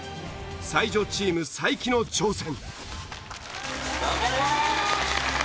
才女チーム才木の挑戦。